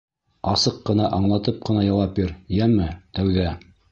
Асыҡ ҡына, аңлатып ҡына яуап бир, йәме, тәүҙә.